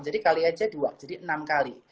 jadi kali aja dua jadi enam kali